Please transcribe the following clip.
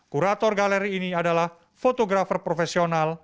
kurator galeri ini adalah fotografer profesional